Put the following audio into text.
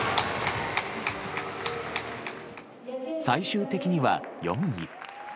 最終的には４位。